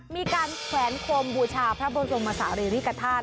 มีการแขนคมบูชาพระบริษมสาหรินิกฐาน